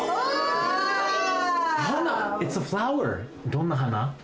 どんな花？